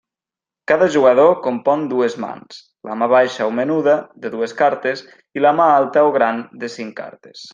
Cada jugador compon dues mans: la mà baixa o menuda de dues cartes, i la «mà» alta o gran de cinc cartes.